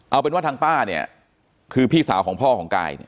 เอาเป็นว่าทางป้าเนี่ยคือพี่สาวของพ่อของกายเนี่ย